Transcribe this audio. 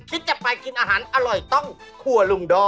ที่จะไปกินอาหารอร่อยต้องครัวลุงด้อ